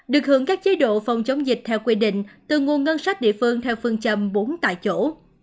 được hưởng các chế độ phòng chống dịch theo quy định từ nguồn ngân sách địa phương theo phương châm bốn tại chỗ